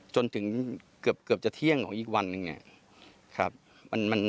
จนถึงเกือบจะเที่ยงของอีกวันนึง